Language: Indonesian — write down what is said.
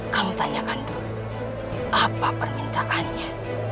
kamu tanyakan dulu apa permintaannya